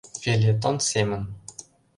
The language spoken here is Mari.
Фельетон семын